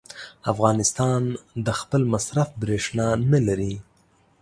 افغانستان د خپل مصرف برېښنا نه لري.